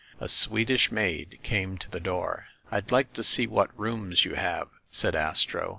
A Swedish maid came to the door. "I'd like to see what rooms you have," said Astro.